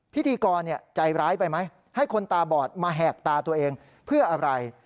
พิธีกรใจร้ายไปไหมให้คนตาบอดมาแหกตาตัวเองเพื่ออะไร